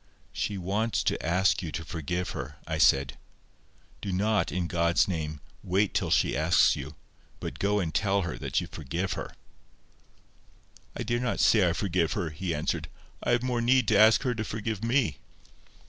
"She wants to ask you to forgive her," I said. "Do not, in God's name, wait till she asks you, but go and tell her that you forgive her." "I dare not say I forgive her," he answered. "I have more need to ask her to forgive me."